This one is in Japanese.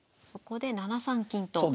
ここで７三金と。